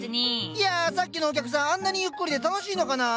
いやさっきのお客さんあんなにゆっくりで楽しいのかなあ。